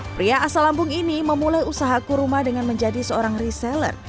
pria asal lampung ini memulai usaha kurma dengan menjadi seorang reseller